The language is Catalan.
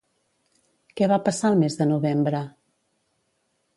Què va passar el mes de novembre?